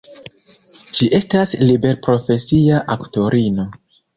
Ŝi estas liberprofesia aktorino.